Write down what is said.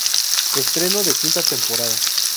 Estreno de quinta temporada